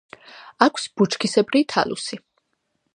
აქვს ბუჩქისებრი თალუსი.